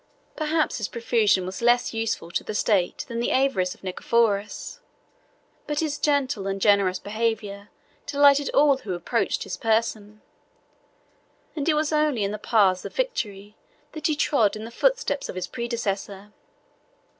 Perhaps his profusion was less useful to the state than the avarice of Nicephorus; but his gentle and generous behavior delighted all who approached his person; and it was only in the paths of victory that he trod in the footsteps of his predecessor.